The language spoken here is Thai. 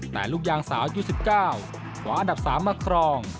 แต่ลูกยางสาวยุค๑๙ขวาอันดับ๓มาครอง